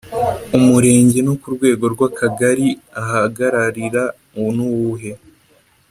Umurenge no ku rwego rw Akagari ahagararira nuwuhe